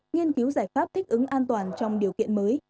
nghiên cứu giải pháp thích ứng an toàn trong điều kiện mới